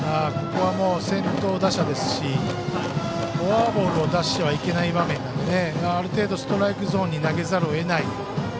ここは先頭打者ですしフォアボールを出してはいけない場面なのである程度、ストライクゾーンに投げざるを得ない。